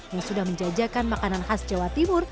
yang sudah menjajakan makanan khas jawa timur